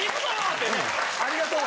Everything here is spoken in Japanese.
ってね・・ありがとう！